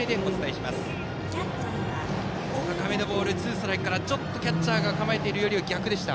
高めのボールツーストライクからちょっとキャッチャーが構えたのとは逆でした。